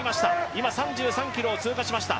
今、３３ｋｍを通過しました。